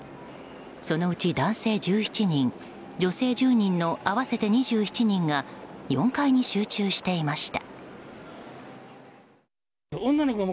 そのうち、男性１７人女性１０人の合わせて２７人が４階に集中していました。